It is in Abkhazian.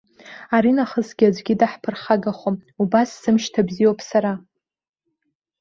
Аринахысгьы аӡәгьы даҳԥырхагахом, убас сымшьҭа бзиоуп сара.